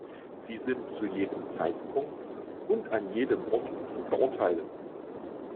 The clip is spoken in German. Sie sind zu jedem Zeitpunkt und an jedem Ort zu verurteilen.